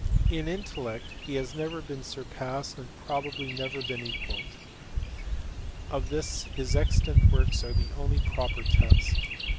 In intellect he has never been surpassed and probably never been equalled. Of this his extant works are the only proper test.